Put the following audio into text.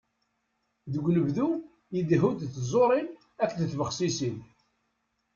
Deg unebdu, idehhu-d d tẓurin akked tbexsisin.